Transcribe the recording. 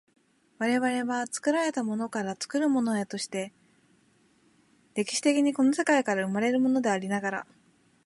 我々は作られたものから作るものへとして、歴史的にこの世界から生まれるものでありながら、